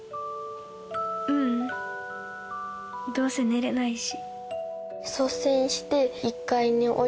ううんどうせ寝れないし。